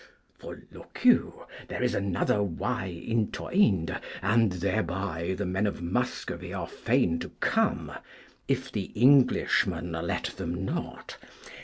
For, look you, there is another way into Ynde, and thereby the men of Muscovy are fain to come, if the Englishmen let them not.